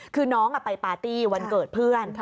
คือน้องไปปาร์ตี้วันเกิดเพื่อน